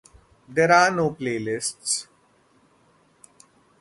There are no playlists.